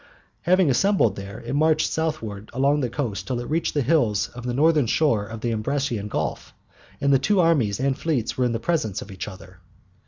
Having assembled there, it marched southwards along the coast till it reached the hills on the northern shore of the Ambracian Gulf, and the two armies and fleets were in presence of each other.